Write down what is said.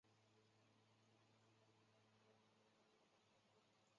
数码货币是电子货币形式的。